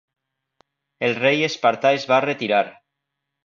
El rei espartà es va retirar.